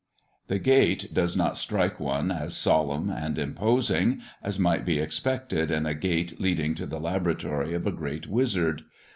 The gate does not strike one as solemn and imposing as might be expected in a gate leading to the laboratory of a great wizard.